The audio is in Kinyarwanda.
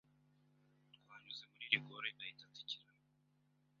Twanyuze muri rigore ahita atsikira aragwa